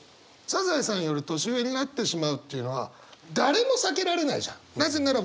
サザエさんより年上になってしまうっていうのは誰も避けられないじゃん。